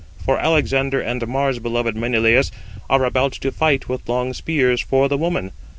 For Alexander and Mars beloved Menelaus are about to fight with long spears for the woman.